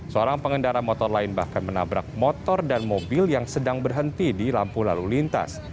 seorang pengendara motor lain bahkan menabrak motor dan mobil yang sedang berhenti di lampu lalu lintas